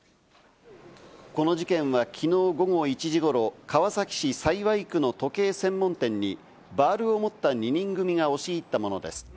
この事件はきのう午後１時ごろ、川崎市幸区の時計専門店にバールを持った２人組が押し入ったものです。